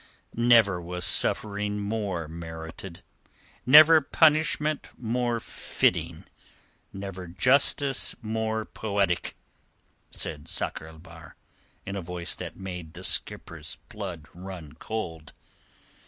"Never was suffering more merited, never punishment more fitting, never justice more poetic," said Sakr el Bahr in a voice that made the skipper's blood run cold.